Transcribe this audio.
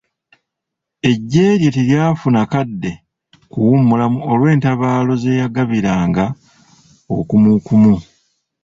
Eggye lye teryafuna kadde kawummula olw’entabaalo ze yagabiranga okumukumu.